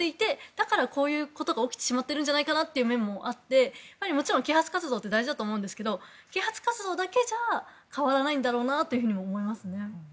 だからこういうことが起きてしまっているという面もあってもちろん啓発活動って大事だと思うんですが啓発活動だけじゃ変わらないんだろうなとも思います。